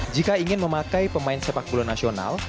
jika ingin memakai pemain sepak bola nasional